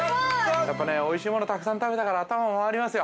◆やっぱね、おいしいものをたくさん食べたから頭も回りますよ。